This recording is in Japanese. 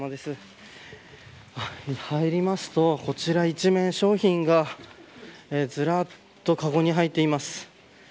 入りますと、こちら一面商品がずらっと、かごに入っています。